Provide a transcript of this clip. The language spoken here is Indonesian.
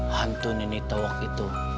hantu nini tawak itu